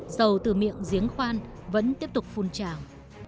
dầu từ miệng giếng khoan vẫn tiếp tục phun trào